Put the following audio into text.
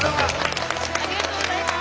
ありがとうございます。